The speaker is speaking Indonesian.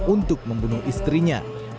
untuk membunuh istrinya